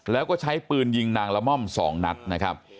แล้วก็ใช้ปืนยิงนางละม่อม๒นัดนะครับ